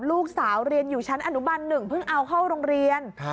ลูกสาวเรียนอยู่ชั้นอนุบัน๑เพิ่งเอาเข้าโรงเรียน